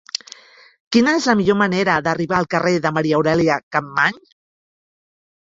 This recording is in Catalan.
Quina és la millor manera d'arribar al carrer de Maria Aurèlia Capmany?